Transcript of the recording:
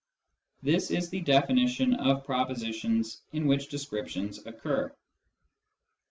This is the definition of propositions in which descriptions occur.